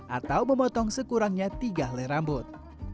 atau memotong sekurangnya tiga leh rambut